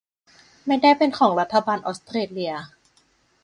ไม่ได้เป็นของรัฐบาลออสเตรเลีย